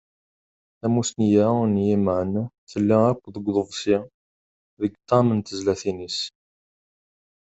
Tamussni-a n yiman, tella akk deg uḍebsi, deg ṭam n tezlatin-is.